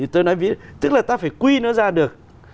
tức là ta phải quy nó ra được